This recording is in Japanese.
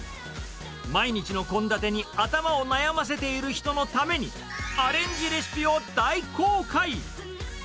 毎日の献立に頭を悩ませている人のために、アレンジレシピを大公開。